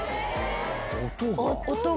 音が？